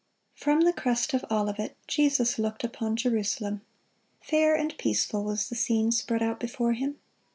(1) From the crest of Olivet, Jesus looked upon Jerusalem. Fair and peaceful was the scene spread out before Him.